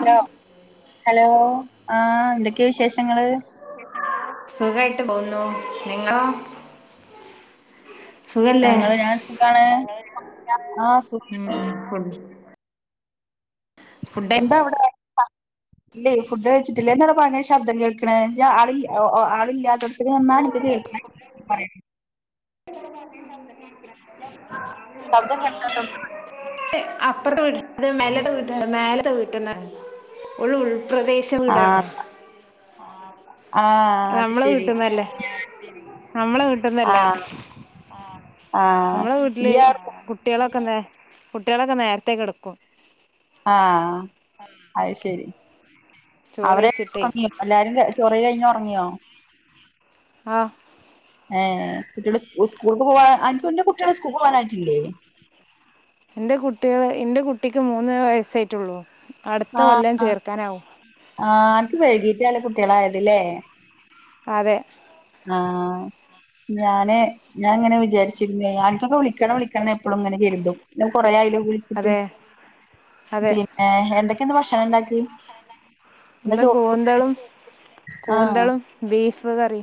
Hello hello ആ എന്തൊക്കെയ വിശേഷങ്ങള് സുഖായിട്ട് പോകുന്നു നിങ്ങളോ സുഖല്ലേ ഞങ്ങള് ഞാൻ സുഖാണ് ആ സുഖ ആഹ് എന്താ അവിടെ ഉ ഇല്ലേ ഫുഡ് കഴിച്ചിട്ടില്ല എന്താ ഭയങ്കര ശബ്ദം കേൾക്കണ ആ ആളില്ലാത്ത ആളില്ലാത്ത ടുത്ത് നിന്ന എനിക്ക് കേൾക്കണേ പറയി ശബ്ദം കേൾക്കാൻ അപ്പുറത്തെ വീടിന്റെ മേലത്തെ വീട്ടീന്ന് ഒരുൾപ്രദേശ ച്ച വീടാണോ ആഹ് ആഹ് അത് നമ്മളെ ശരി വീട്ടുന്നല്ലേ നമ്മളെ വീട്ടുന്നല്ല ആഹ് ആഹ് നമ്മളെ വീട്ടില് ഇയ്യ് അവിടെ കുട്ട്യളൊക്കെ നേ കുട്ട്യളൊക്കെ നേരത്തേ കിടക്കും ആ അത് ശരി ചോറ് അവരെ കഴിച്ചിട്ടേ എല്ലാരും ചോറയി കഴിഞ്ഞൊറങ്ങിയോ ആ ഏ കുട്ടികള സ് സ്കൂൾ പോവാൻ അന്റെ കുട്ടികൾ സ്കൂൾ പോകാനായിട്ടില്ലേ ഇന്റെ കുട്ടികൾ ഇന്റെ കുട്ടിക്ക് മൂന്ന് വയസ്സായിട്ടുള്ളൂ അടുത്ത ആ കൊല്ലം ചേർക്കാനാവും ആ അനക്ക് വൈകീട്ടാലെ കുട്ട്യാളായത് ലേ അതെ ആ ഞാന് ഞാൻങ്ങനെ വിചരിച്ചിരുന്നേ അനക്കൊക്കെ വിളിക്കണം വിളിക്കണം എപ്പോഴുംങ്ങനെ കരുതും കൊറെ ആയല്ലോ അതെ പിന്നെ എന്തൊക്കെ ന്ന് ഭക്ഷണം ഉണ്ടാക്കി ന്ന് കൂന്തളും ആഹ് കൂന്തളും ബീഫ് കറി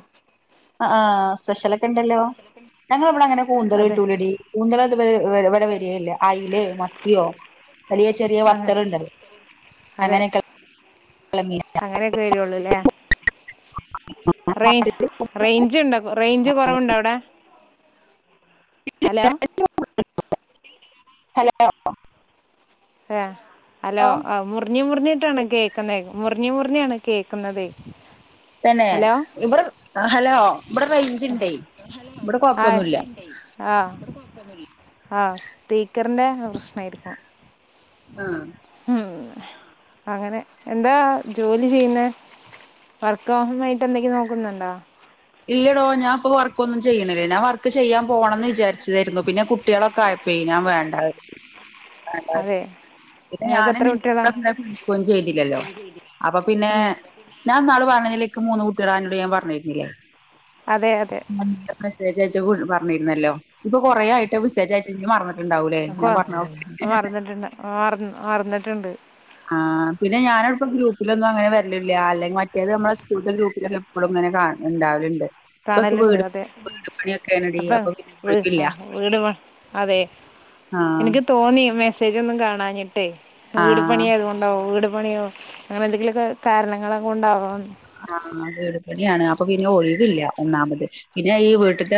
അ ആ സ്പെഷ്യലൊക്കെണ്ടല്ലോ ഞങ്ങളെവിടെ അങ്ങനെ കൂന്തൾ അതെ കിട്ടൂലടി കൂന്തളത് ഇവിടെ വരേല്ല അയിലേ മത്തിയോ അല്ലെങ്കി ചെറിയ അങ്ങനെ ബത്തലുണ്ടല്ലോ അതെ അങ്ങനെക്കെ വരൊള്ളൂല്ലേ റേ റേഞ്ചുണ്ടോ റേഞ്ച് കൊറവുണ്ടോവിടെ ഹലോ ഹലോ ഏ ഹലോ ആ മുറിഞ്ഞി മുറിഞ്ഞിട്ടാണ് കേൾക്കുന്നേ മുറിഞ്ഞ് മുറിഞ്ഞാണ് കേക്കുന്നത് തന്നെ ഇവിടെ ഹലോ ഇവിടെ റേഞ്ച്ണ്ടേ ഇവിടെ ആ കൊഴപ്പൊന്നുല്ല ആ ആ സ്പീക്കറിൻ്റെ പ്രശ്നായിരിക്കും ആ ഉം അങ്ങനെ എന്താ ജോലി ചെയ്യുന്നേ വർക്ക് ഹോമായിട്ട് എന്തെങ്കിലും നോക്കുന്നുണ്ടോ ഇല്ലടോ ഞാൻപ്പോ വർക്കൊന്നും ചെയ്യണില്ല ഞാൻ വർക്ക് ചെയ്യാൻ പോണംന്ന് വിചാരിച്ചതായിരുന്നു പിന്നെ കുട്ടികളൊക്കെ ആയ പ്പേ ഞാൻ വേണ്ട അതേ പിന്നെ ഞാൻ [unintelligible] നികും ചെയ്തില്ലല്ലോ അപ്പൊ പിന്നെ ഉം. ഞാൻ ന്നാള് പറഞ്ഞില്ലേ ക്ക് മൂന്ന് കുട്ട്യാളാ അനോട് ഞാൻ പറഞ്ഞിരുന്നില്ലേ അതെ അതെ മെസ്സേജയച്ചപ്പോ പറഞ്ഞിരുന്നല്ലോ. ഇപ്പൊ കൊറേ ആയിട്ട് മെസേജയച്ചേ ജ് മറന്നിട്ടുണ്ടാവൂലേ ഞാൻ പറഞ്ഞൊക്കെ ആ മറന്നിട്ടുണ്ട്. ആ പിന്നെ ഞാനിപ്പോ ഗ്രൂപ്പിലൊന്നും അങ്ങന വരലില്ല അല്ലെങ്കി മറ്റേത് നമ്മളെ സ്കൂൾത്തെ ഗ്രൂപ്പിലൊക്കെ എപ്പോളുങ്ങനെ ണ്ടാവലുണ്ട് കാണലുണ്ട് അതെ അപ്പ അപ്പൊ പിന്നെ ഒഴിവില്ല വീട് അതെ ആ എനിക്ക് തോന്നി മെസേജൊന്നും കാണാഞ്ഞിട്ടേ ആ വീട് പണിയായതൊണ്ട് ണ്ടോ വീട് പണിയോ അങ്ങനെ എന്തെങ്കിലൊക്കെ കാരണങ്ങൾ കൊണ്ടാവന്ന് ആ വീടുപണിയാണ് അപ്പൊ പിന്നെ ഒഴിവില്ല ഒന്നാമത് പിന്നെ ഈ വീട്ടത്തെ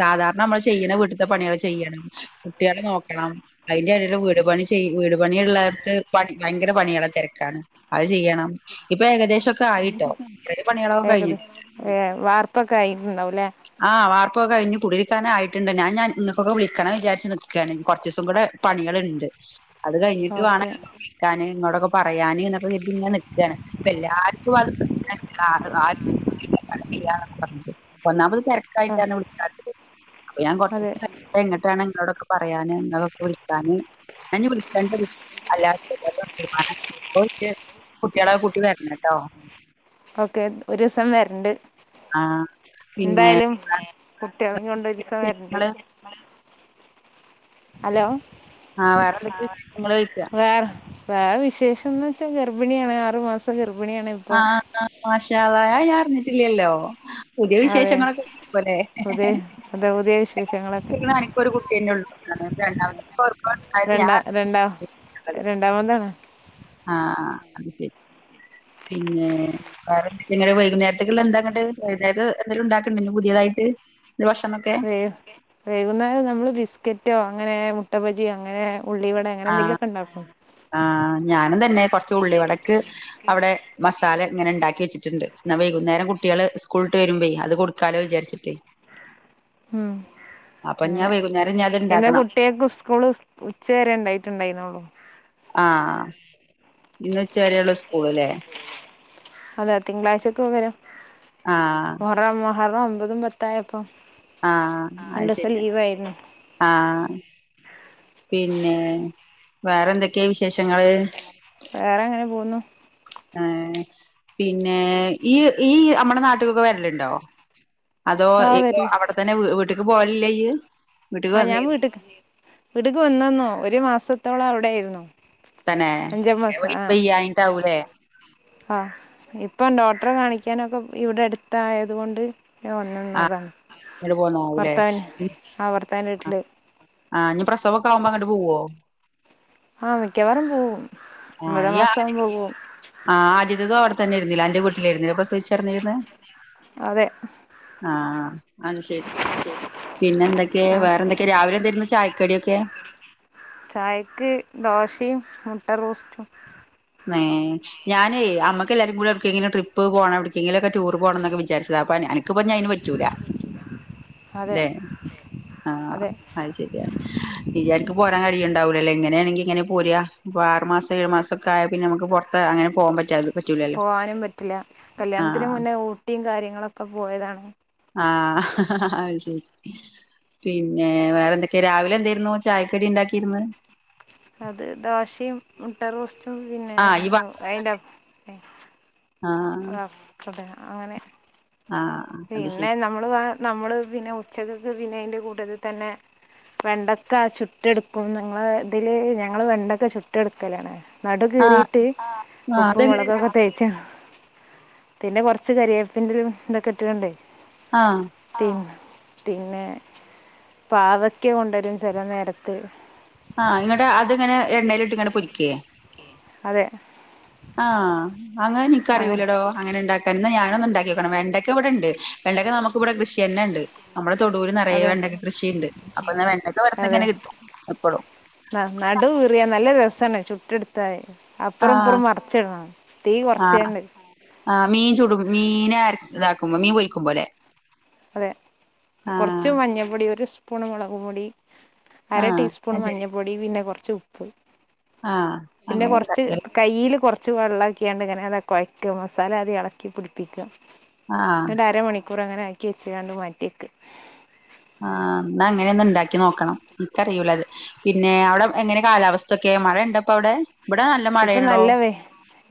സാധാരണ നമ്മൾ ചെയ്യണ വീ വിട്ടിത്തെ പണികൾ ചെയ്യണം. കുട്ടിയളെ നോക്കണം അയിന്റെടേല് വീട്ട് പണി ചെ വീട് പണിയുള്ളവർക്ക് പണി ഭയങ്കര പണിയാള തെരക്കാണ് അത് ചെയ്യണം ഇപ്പൊ ഏകദേശം ഒറ്റക്ക ഏകദേഷം വാർപ്പൊക്കെ ആയിട്ടുണ്ടാവുംല്ലേ? ആഹ് വാർപ്പൊക്കെ കഴിഞ്ഞ് കുടിയിരിക്കാൻ ആയിട്ടുണ്ട് ഞാൻഞാൻ നിങ്ങൾക്കൊക്കെ വിളിക്കണം വിചാരിച്ച് നിക്കാണ് കുറച്ച് ദിവസം കൂടെ പണികളുണ്ട്. അത് കഴിഞ്ഞിട്ട് ഓക്കെ വേണം വിളിക്കാൻ ഇങ്ങളോടൊക്കെ പറയാന് എന്നൊക്കെ കരുതി ഇങ്ങനെ നിക്കാണ് പ്പൊ എല്ലാർക്കും അത് [inaudible] പറഞ്ഞത് ഒന്നാമത് ആ തിരക്കായിട്ടാണ് വിളിക്കത്തത് അപ്പൊ ഞാൻ കുറച്ചു അതെ ദിവസം കഴിയട്ടെ ഇന്നട്ടാണ് നിങ്ങളോടൊക്കെ പറയാന് നിങ്ങൾക്കൊക്കെ വിളി ക് ഞാൻ വിളിക്കണ്ട് ഒരീസം [inaudible] അല്ലാത്ത [inaudible] തീരുമാന ഓ കുട്ടിയാളെ ഒക്കെ കൂട്ടി വരണം ട്ടോ ഓക്കെ ഒരു ദിവസം വരണ്ട്. ആ പിന്നെ എന്തായാലും കുട്ടികളെ കൊണ്ട് ഒരു ദിവസം വരണ്ട് ങ്ങള് ഹലോ ആഹ് വേറെന്തൊക്കെ വിശേഷങ്ങൾ ചോയ്ക്ക വേറെ വേറെ വിശേഷന്ന് വെച്ചാൽ ഗർഭിണിയാണ് ആറു മാസം ഗർഭിണിയാണ്. ഇപ്പം ആഹ് ആഹ് മാഷാ അല്ലാഹ് അത് ഞാൻ അറിഞ്ഞിട്ടില്ലല്ലോ പുതിയ അതെ വിശേഷങ്ങളൊക്കെഇപ്പോല്ലെ പുതിയ അതെ പുതിയ വിശേഷങ്ങളൊക്കെ എനിക്ക കുട്ടിയഞ്ഞേ ഒള്ളുന്നാണ് രണ്ടാമ രണ്ടാമതാണ് ആഹ് അത് ശെരി പിന്നെ വേറെ വൈകുന്നേരത്തേക്ക്ഉള്ളത് എന്താന്നട്ട് വൈകുന്നേരതക്ക് ഇനി എന്തേലും ഉണ്ടാക്കുണ്ടോ പുതിയതായിട്ട് ഭക്ഷണൊക്കെ വേ വൈകുന്നേരം നമ്മള് ബിസ്ക്കറ്റോ അങ്ങനെ മുട്ട ബജിയോ അങ്ങനെ ഉള്ളിവടെ അങ്ങനെ എന്തെങ്കിലൊക്കെ ഉണ്ടാക്കും ആഹ് ഞാനും തന്നെ കുറച് ഉള്ളി വടക്ക് അവിടെ മസാല ഇങ്ങനെ ഉണ്ടാക്കി വെച്ചിട്ടുണ്ട്. എന്ന വൈകുന്നേരം കുട്ടികൾ സ്കൂൾ വിട്ട് വരുമ്പോയി അത് കൊടുക്കാലോ വിചാരിച്ചിട്ടേ ഉം അപ്പൊ ഞ്ഞി ഞാൻ വൈകുന്നേരം ഞാൻ അത് ഇണ്ടാക്കണം കുട്ടിയാൾക്ക് സ്കൂള് ഉച്ചവരെ ഉണ്ടായിട്ടുണ്ടായിരുന്നുള്ളു ആഹ് അതെ തിങ്കളാഴ്ചക്ക് പകരം ആഹ് മുഹറം ഒമ്പതും പത്തായപ്പൊ രണ്ട് ദിവസം ലീവായിരുന്നു ആഹ് പിന്നെ വേറെ എന്തൊക്കെയാ വിശേഷങ്ങൾ വേറെ അങ്ങനെ പോകുന്നു ഏഹ് പിന്നെ ഈയ്യ് നമ്മടെ നാട്ടിലൊക്കെ വരലുണ്ടോ? അതോ ആ ഇപ്പൊ വരില്ല അവിടെത്തന്നെ വീട്ടക്ക് പോവലില്ലേ ഇയ്യ്? വീട്ടിക്ക് ആഹ് ഞാൻ വന്നി വീട്ടക്ക് വീട്ടിൽക്ക് വന്നിരുന്നു ഒരു മാസത്തോളം അവിടെ ആയിരുന്നു. തന്നെ ഇപ്പൊ വെയ്യാഞ്ഞിട്ട് ആവുല്ലേ ആഹ് ഇപ്പം ഡോക്ടറെ കാണിക്കാനൊക്കെ ഇവിടെ അടുത്തായതുകൊണ്ട് ഞാൻ വന്ന് നിന്നതാ ഇങ്ങട് പോന്നാവൂലേ ഭർത്താവിന് ആഹ് ഭർത്താവിന്റെ വീട്ടില് ആഹ് ഇനി പ്രസവൊക്കെ ആവുമ്പോ അങ്ങോട്ട് പോവോ ആഹ് മിക്കവാറും പോവും ആഹ് ഒമ്പതാം ഇയ്യ് മാസം ആകുമ്പോ പോവും ആഹ് ആദ്യത്തതും അവിടെ തന്നെ ആയിരുന്നില്ലേ അന്റെ വീട്ടിലായിരുന്നില്ലേ പ്രസവിച്ച കിടന്നിരുന്നേ അതെ ആഹ് അത് ശരി പിന്നെ എന്തൊക്കെ ആ വേറെന്തൊക്കെയ രാവിലെ എന്തേന്ന് ചായക്കടിയൊക്കെ കെ ചായക്ക് ദോശയും മുട്ട റോസ്റ്റും ഏഹ് ഞാനെയ് നമ്മക്ക് എല്ലാർക്കൂടെ എവിട്ക്കേലും ട്രിപ്പ് പ്പ് പോണം എവിടക്കങ്കിലക്കെ ടൂർ പോണംമൊക്കെ വിചാരിച്ചതാ അപ്പോ അനക്ക്പ്പൊ ഇനി അതിന് പറ്റൂല അതെ ല്ലെ ആഹ് അതെ അത് ശരിയ് ഇയ്യ് അനക്ക് പോരാൻ കഴിയുണ്ടാവൂലല്ലേ ഇങ്ങനെയാണെങ്കി എങ്ങനെ പോര ഇപ്പൊ ആറ് മാസം ഏഴു മാസം ക്കേ ആയ പിന്നെ നമുക്ക് പുറത്ത് അങ്ങന പോകൻ പറ്റാത് പോവാനും പറ്റില്ല കല്യാണത്തിന് ആഹ് മുന്നേ ഊട്ടിയും കാര്യങ്ങളൊക്കെ പോയതാണ് ആഹ് അത് ശരി പിന്നെ വേറെ എന്തൊക്കെ രാവിലെ എന്തായിരുന്നു ചായക്കടി ഇണ്ടാക്കിയിര്ന്ന് അത് ദോശയും മുട്ട റോസ്റ്റും പിന്നെ ആഹ് ഈ വ അതിന്റെ ആഹ് [unintelligible] ആനെ ആഹ് അത് പിന്നെ ശരി നമ്മൾ മ്മ നമ്മള് പിന്നെ ഉച്ചക്ക് പിന്നെ അതിന്റെ കൂട്ടത്തിൽ തന്നെ വെണ്ടൊക്കെ ചുട്ടെടുക്കും നിങ്ങള് ഇതില് ഞങ്ങള് വെണ്ടക്കെ ചുട്ട് എടുക്കലാണ് നടു ആഹ് കീറീയിട്ട് ആഹ് ഉപ്പും അതെങ്ങനെ മുളകൊക്കെ തേച്ച പിന്നെ കുറച്ച് കരിയേപ്പിന്റെ ഇതോക്കെ ഇട്ടിട്ടുണ്ടെ ആഹ് തിന്നേ തിന്നേ പാവക്ക കൊണ്ടുവരും ചില നേരത്ത് ആഹ് ഇങ്ങട്ട് ആഹ് അത്ങ്ങനെ എണ്ണയിലിട്ട് ഇങ്ങനെ പൊരിക്കേ അതെ ആഹ് അങ്ങനെ എനിക്ക അങ്ങനെ അറിയൂലടോ അങ്ങനെ ഉണ്ടാക്കാനന്ന് ഞാന് ഒന്ന് ഉണ്ടാക്കി നോണം വെണ്ടക്ക ഇവിടെ ഉണ്ട് വെണ്ടക്ക നമുക്ക് ഇവിടെ കൃഷി തന്നെ ഉണ്ട് നമ്മള തൊടൂൽ നിറയെ അതെ വെണ്ടൊക്ക കൃഷിണ്ട് അപ്പൊ വെണ്ടൊക്കെ വെറുതെ ഇങ്ങനെ കിട്ടും എപ്പോഴും ആഹ് നടു കീറിയ നല്ല രസമാണ് ചുട്ടടുത്ത് തായി ആഹ് അപ്പറംപ്പറം മറച്ചിടണം തീ ആഹ് കുറച്ചേണ്ട് ആഹ് മീൻ ചുടും മീൻ ഇതാക്കുമ്പോ മീൻ പൊറിക്കുമ്പോലേ അതെ കുറച്ച് മഞ്ഞപ്പൊടി ഒരു സ്പൂൺ മുളക് പൊടി അര ആഹ് ടീസ്പൂൺ അത് ശരി മഞ്ഞപ്പൊടി പിന്നെ കുറച്ച് ഉപ്പ് ആഹ് പിന്നെ അങ്ങനെ കുറച്ച് ഉണ്ടാക്കല് കയ്യിയില് കുറച്ച് വെള്ളംക്കാണ്ട് ഇങ്ങനെ കൊഴയ്ക്ക മസാല അത് ഇളക്കി പിടിപ്പിക്ക ആഹ് അങ്ങനെ അരമണിക്കൂർ അങ്ങനെ ആക്കി വെചാണ്ട് മാറ്റിയക്ക് ആഹ് എന്നാ അങ്ങനെ ഒന്നു ഉണ്ടാക്കി നോക്കണം എനിക്കറിയൂലത് പിന്നെ അവിടെ എങ്ങനെ കാലാവസ് ക്കെ മഴയുണ്ട അവിടെ ഇവിടെ നല്ല ഇപ്പൊ മഴയാനാടോ നല്ല വെ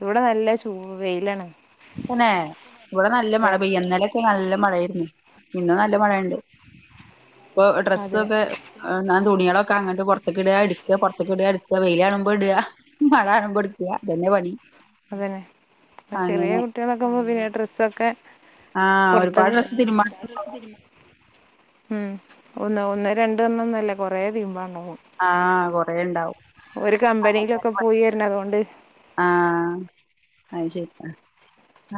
ഇവിടെ നല്ല ചൂ വെയ്ലാണ് തനെ ഇവിടെ നല്ല മഴ പെയ്യാ ഇന്നലെ നല്ല മഴായിരുന്നു ഇന്നും നല്ല മഴുണ്ട് ഇപ്പൊ അതെ ഡ്രസ്സൊക്കെ തുണികളക്കെങ്ങട്ട് പുറത്ത്ക്ക്‌ ഇടാ എടുകാ പുറത്ത്ക്ക്‌ ഇടുകാ വെയിലാണുമ്പോ ഇടാ മഴ ആകുമ്പോ എടുക്കാ ഇതനെ പണി അതന്നെ ചെറിയ അങ്ങനെ കുട്ടികളൊക്കെ പിന്നെ ഡ്രസ്സൊക്കെ ആ ഒരുപാട് പുറത്തക് ഡ്രസ്സ് തിരുമ്പാ ഉം ഒന്ന് ഒന്ന് രണ്ട് എണ്ണ ഒന്നല്ല കുറെേ തീരുമ്പാണ്ടാക്കും ആ കൊറേ ഉണ്ടാവും ഒരു കമ്പനിയിലൊക്കെ പോയിരുനൊണ്ട് ആഹ് അത് ശരി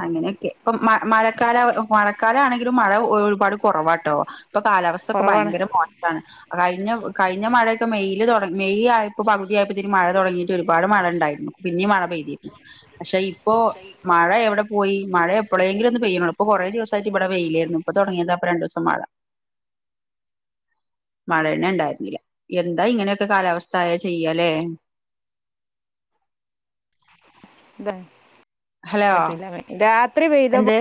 അങ്ങനെയൊക്കെ ഇപ്പൊ മ മഴക്കാല മഴക്കാല ആണെങ്കിലും മഴ ഒരുപാട് കുറവാട്ടോ ഇപ്പൊ കാലാവസ്ഥൊക്കെ കുറവാണ് ഭയങ്കര മോശമാണ് കഴിഞ്ഞ കഴിഞ്ഞ മഴയൊക്കെ മെയിൽ തുടങ്ങി മെയ് ആയ ഇപ്പ പകുതിയപ്പോ ഇതി മഴ തുടങ്ങയിട്ട് ഒരുപാട് മഴണ്ടായിരുന്നു പിന്നെ മഴ പെയ്തി പക്ഷെ ഇപ്പോ മഴ എവടെ പോയി മഴ എപ്പോഴെങ്കിലും ഒന്ന് പെയ്യണതാ ഇപ്പൊ കുറ ദിവസമായിട്ട് ഇവിടെ പെയയില്ലായിരുന്നു ഇപ്പ തുടങ്ങിയത് അപ്പ രണ്ട് ദസം മഴ മഴ തന്ന ഉണ്ടായിരുന്നില്ല എന്താ ഇങ്ങനെയൊക്കെ കാലാവസ്ഥാആയാൽ എന്താ ചെയ്യാലേ ഹലോ പറ്റൂലാ പറ്റു രാത്രി പെയ്തപു എന്ത്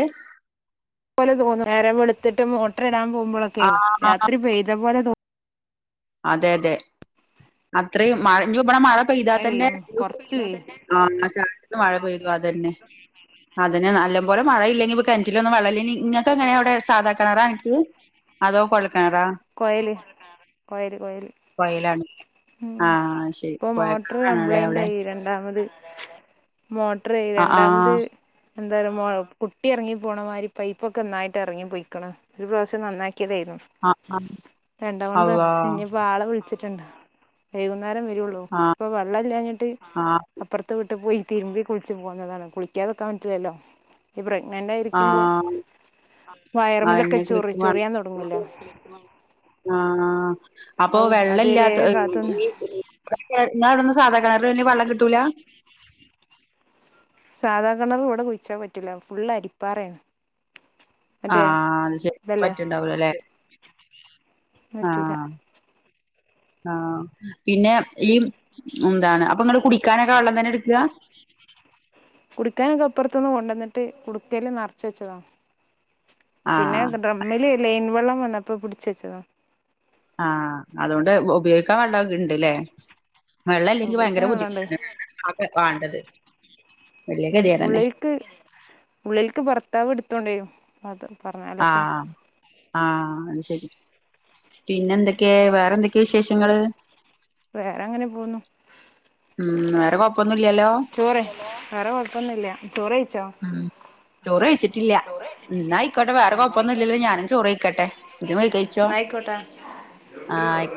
നേരെ വെളുത്തിട്ട് മോട്ടർ ഇടാൻ ആ പോകുമ്പളക്കെ രാത്രി പെയ്ത പോലെ തോന്നും അതെ അതെ അത്രയും മഴ മഴ പെയ്താൽ മഴ തന്നെ പെയ്യും കൊറച്ച് പെയ്യും ആഹ് [unintelligible] മഴ പെയ്തു അതന്നെ അതിന് നല്ലം പോലെ മഴയില്ലെങ്കിൽ കിണറ്റിലൊന്നും വെള്ളലില്ലിങ്കിൽ നിങ്ങക്ക് എങ്ങനെയ അവിടെ സാധാക്കണറാ എനക്ക് അതോ കൊഴൽക്കെണാറാ കോയൽ കോൽ കോയൽ കൊയലാണ് ആഹ് ശരി കൊയ കംപ്ലൈന്റായി രണ്ടാമത് മോട്ട്റ്യേയി രണ്ടാമത് ആഹ് എന്താര് മൊ കുട്ടി എറങ്ങി പോണ മായ്രി പൈപ്പൊക്കെ ഒന്നായ്ട്ട് എറങ്ങി പോയ്ക്കാ ഒര് പ്രാവ്ശ്യം നന്നാക്കേതെയ്ന്നു ആഹ് ആഹ് ആഹ് പ്പരണ്ടാമതും അള്ളാ പഷേ പ്പാളെ വിൾച്ചിട്ട്ണ്ട് വൈകുന്നേരം വരൊള്ളൂ ആഹ് ഇപ്പ വള്ളല്ലാഞ്ഞ്ട്ട് ആഹ് അപ്പർത്തെ വ്ട്ട് പോയി തിര്മ്പി കുളിച്ച് പോന്നതാണ് കുളിക്കാതിരിക്കാൻ പറ്റൂലല്ലോ ഈ പ്രഗ്നന്റായിരിക്കുമ്പോ ആഹ് വയറ്മലൊക്കെ അതെന്നെ ചോറി കുളിക്കുമ്പോ ചോറിയാൻ തൊടങ്ങല്ലോ ആഹ് അപ്പൊ അതുവരെ വെള്ളല്ലാത്ത കാത്തുനിന്ന് ഈ ഏ ങ്ങളവടൊന്നും സാധാ കണറില് പിന്നെ വള്ളം കിട്ടൂല സാധാ കെണറ് വടെ കുയ്ച്ചാ പറ്റില്ല ഫുള്ള് അരിപ്പാറേണ്. ആഹ് അത് ശരി പറ്റ്ണ്ടാവ് ല്ലലെ പറ്റൂല ആഹ് ആഹ് പിന്നെ ഈ എന്താണ് അപ്പ ങ്ങള് കുടി ക്കാനൊക്കെ വള്ളം തന്നെട്ക്കാ കുടിക്കാനക്കെ ഇപ്പൊർത്ത്ന്ന് കൊണ്ടന്ന്ട്ട് കുട്ക്കേല് നറച്ചെച്ചതാ പിന്നെ ആഹ് ഡ്രമ്മില് ലെയ്ൻ വെള്ളം വന്നപ്പൊ പിടിച്ചെച്ചതാ ആഹ് അതോണ്ട് ഉപയോഗിക്കാൻ വെള്ളൊക്കെ ണ്ട്ലേ വള്ളല്ലെങ്ങ്കി ഭയങ്കര ഉപയോഗിക്കാൻ വെള്ളമുണ്ട് ബുദ്ധിമുട്ടെന്നേണ് അതന്നെ വാണ്ടത് വല്യ ഉം ഗതികേടെന്നെ ഉള്ളിൽക്ക് ഉള്ളിൽക്ക് ഭർത്താവ് ഇട്ത്തോണ്ടെയ്ന്നു ആഹ് ആഹ് അത് ശെരി പിന്നെന്തൊക്കേ വേറെന്തൊക്കേ വിശേഷങ്ങള് വേറങ്ങനെ പോകുന്നു ഉം വേറെ കൊഴപ്പൊന്നുല്ലല്ലോ ചോറ് വേറെ കൊഴപ്പൊന്നുല്ല ചോറ് കഴിച്ചോ ഉം ചോറ് വെയ്ച്ച്ട്ടില്ല ന്നാ ആയിക്കോട്ടെ വേറെ കൊഴപ്പൊന്നുല്ലല്ലോ ഞാനും ചോറേയ്ക്കട്ടെ ഇജ്ജും പോയി കഴിച്ചോ ക്കോട്ടെ ആഹ് ആയി